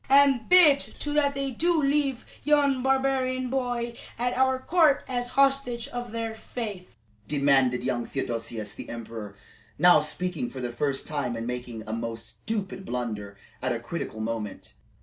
"And bid, too, that they do leave yon barbarian boy at our court as hostage of their faith," demanded young Theodosius the emperor, now speaking for the first time and making a most stupid blunder at a critical moment.